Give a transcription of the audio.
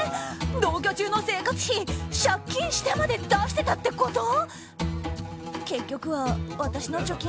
同居中の生活費借金してまで出してたってこと？